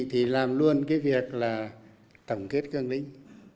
thì làm luôn cái việc là tổng kết cương lĩnh